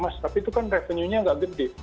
mas tapi itu kan revenue nya nggak gede